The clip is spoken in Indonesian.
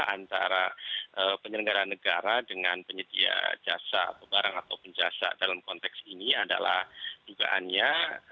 antara penyelenggara negara dengan penyedia jasa atau barang atau penjasa dalam konteks ini adalah dugaannya